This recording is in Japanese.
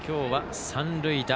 今日は三塁打。